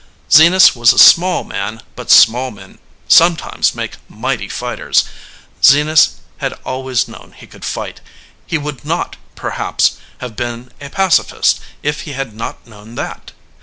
Zenas was a small man, but small men sometimes make mighty fighters. Zenas had always known he could fight. He would not, perhaps, have been a pacifist if he had not known that.